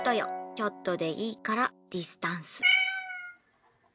ちょっとでいいからディスタンス。